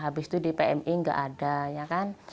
habis itu di pmi nggak ada ya kan